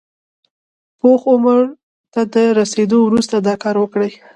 پوخ عمر ته له رسېدو وروسته دا کار وکړي.